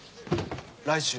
来週。